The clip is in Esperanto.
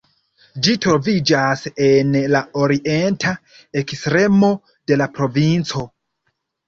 Ĝi troviĝas en la orienta ekstremo de la provinco.